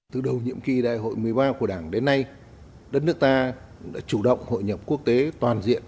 từ đầu nhiệm kỳ đại hội một mươi ba của đảng đến nay đất nước ta đã chủ động hội nhập quốc tế toàn diện